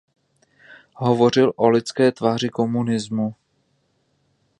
Hovořil o lidské tváři komunismu.